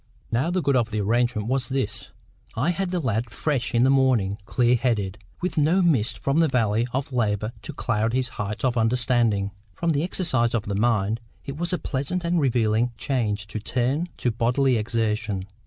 Now the good of the arrangement was this: I had the lad fresh in the morning, clear headed, with no mists from the valley of labour to cloud the heights of understanding. From the exercise of the mind it was a pleasant and relieving change to turn to bodily exertion.